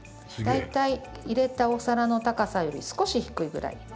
大体、入れたお皿の高さより少し低いぐらい。